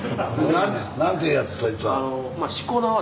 何てやつそいつは。